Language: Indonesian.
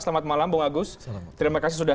selamat malam bung agus terima kasih sudah